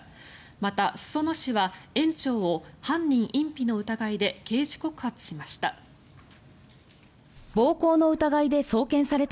また、裾野市は園長を犯人隠避の疑いで刑事告発しました。